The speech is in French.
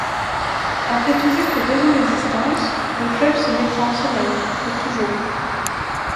Après tout juste deux ans d'existence, le club se mettra en sommeil, pour toujours.